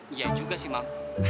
iya juga sih mam